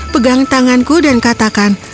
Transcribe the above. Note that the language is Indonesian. pegang tanganku dan katakan